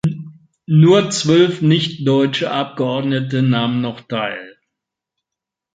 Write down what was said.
Nur zwölf nichtdeutsche Abgeordnete nahmen noch teil.